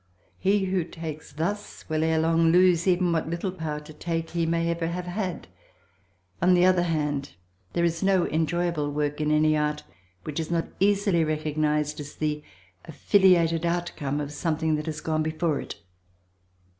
He who takes thus will ere long lose even what little power to take he may have ever had. On the other hand there is no enjoyable work in any art which is not easily recognised as the affiliated outcome of something that has gone before it.